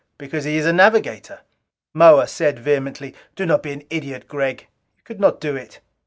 Because he is a navigator!" Moa said vehemently, "Do not be an idiot, Gregg! You could not do it!